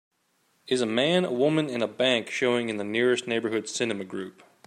Is A Man, a Woman, and a Bank showing in the nearest Neighborhood Cinema Group